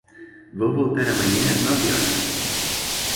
Vou voltar amanhã às nove horas.